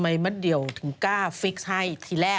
ไม่เริ่มค่ะคุณแม่